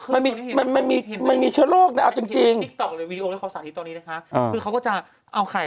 มันทำอย่างไร